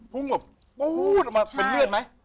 แบบปู๊ดออกมาเป็นเลือดไหม